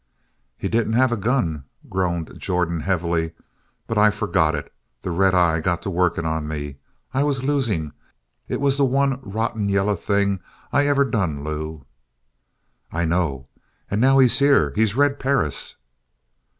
"He didn't have a gun," groaned Jordan heavily. "But I forgot it. The red eye got to working on me. I was losing. It was the one rotten yaller thing I ever done, Lew!" "I know. And now he's here. He's Red Perris!"